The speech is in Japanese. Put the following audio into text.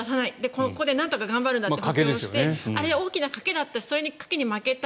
ここでなんとか頑張るんだという賭けをしてあれ、大きな賭けだってその賭けに負けた